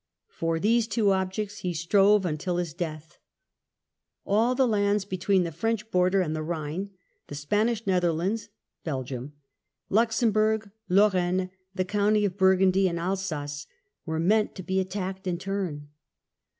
For these Louis xiv. two objects he strove until his death. All and his the lands between the French border and the ■*^«'"*» Rhine — the Spanish Netherlands (Belgium), Luxembourg, Lorraine, the county of Burgundy, and Alsace — were meant to be attacked in turn.